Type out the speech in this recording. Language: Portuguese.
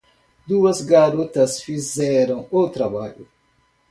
Duas garotas fizeram o trabalho.